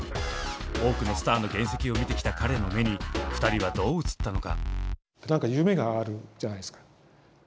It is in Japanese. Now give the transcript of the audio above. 多くのスターの原石を見てきた彼の目に２人はどう映ったのか。